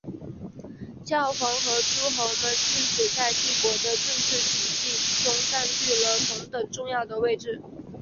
教皇和诸侯们自此在帝国的政治体系中占据了同等重要的位置。